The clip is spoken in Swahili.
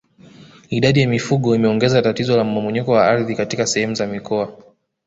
Idadi ya mifugo imeongeza tatizo la mmomonyoko wa ardhi katika sehemu za mkoa